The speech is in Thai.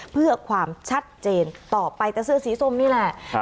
เพื่อความชัดเจนต่อไปแต่เสื้อสีส้มนี่แหละ